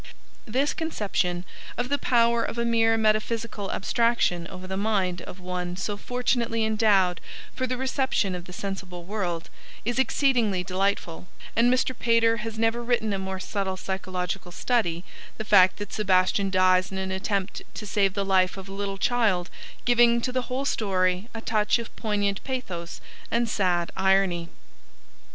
This conception, of the power of a mere metaphysical abstraction over the mind of one so fortunately endowed for the reception of the sensible world, is exceedingly delightful, and Mr. Pater has never written a more subtle psychological study, the fact that Sebastian dies in an attempt to save the life of a little child giving to the whole story a touch of poignant pathos and sad irony.